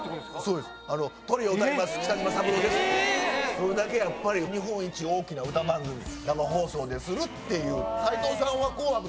それだけやっぱり日本一大きな歌番組生放送でするっていう。